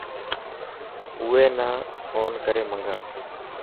اوئي نا فون ڪري منگا.